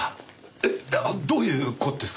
えどういう事ですか？